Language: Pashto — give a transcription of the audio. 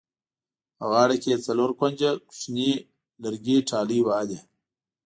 په غاړه کې یې څلور کونجه کوچیني لرګي ټالۍ وهلې.